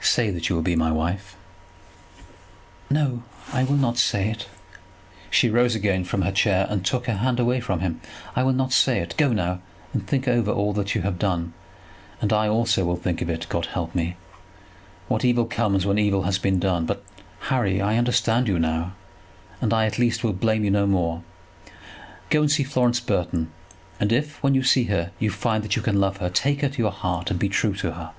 "Say that you will be my wife." "No, I will not say it." She rose again from her chair, and took her hand away from him. "I will not say it. Go now and think over all that you have done; and I also will think of it. God help me. What evil comes, when evil has been done! But, Harry, I understand you now, and I at least will blame you no more. Go and see Florence Burton; and if, when you see her, you find that you can love her, take her to your heart, and be true to her.